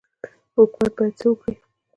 حکومت باید څه وکړي؟